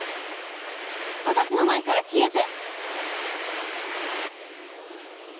私の前から消えて！